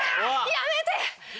やめて！